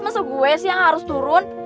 masa gue sih yang harus turun